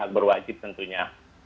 pilihan berwajib tentunya